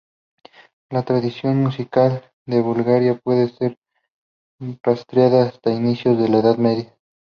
La tradición musical de Bulgaria puede ser rastreada hasta inicios de la Edad Media.